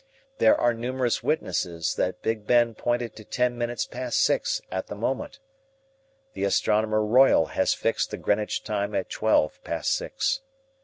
There are numerous witnesses that Big Ben pointed to ten minutes past six at the moment. The Astronomer Royal has fixed the Greenwich time at twelve past six.